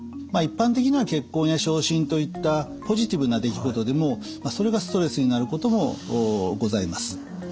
一般的には結婚や昇進といったポジティブな出来事でもそれがストレスになることもございます。